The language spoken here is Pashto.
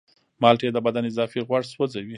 مالټې د بدن اضافي غوړ سوځوي.